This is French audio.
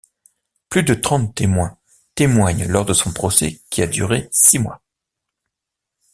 Plus de trente témoins témoignent lors de son procès qui a duré six mois.